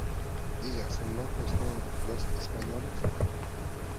¿ diga, son locos todos los españoles?